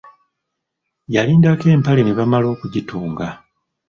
Yalindako empale ne bamala okugitunga!